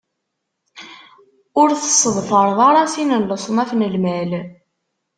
Ur tesseḍfareḍ ara sin n leṣnaf n lmal.